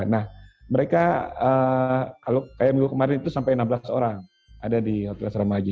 nah mereka kalau kayak minggu kemarin itu sampai enam belas orang ada di hotel asrama haji